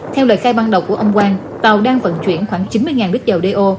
theo lời khai ban đầu của ông quang tàu đang vận chuyển khoảng chín mươi lít dầu đeo